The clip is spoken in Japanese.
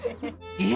え⁉